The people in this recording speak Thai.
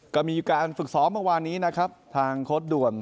ก็มีการฝึกศอบมากว่านี้นะครับทางครดด่วน